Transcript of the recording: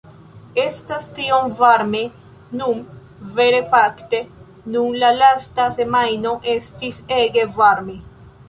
Estas tiom varme nun, vere fakte, nun la lasta semajno estis ege varme